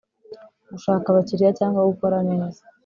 gushaka abakiriya cyangwa gukora neza